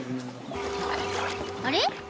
［あれ？